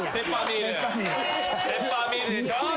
・ペッパーミルでしょ？